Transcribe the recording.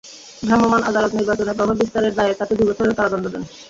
ভ্রাম্যমাণ আদালত নির্বাচনে প্রভাব বিস্তারের দায়ে তাঁকে দুই বছরের কারাদণ্ড দেন।